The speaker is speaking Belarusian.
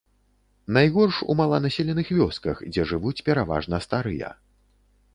Найгорш у маланаселеных вёсках, дзе жывуць пераважна старыя.